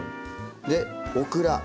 でオクラ。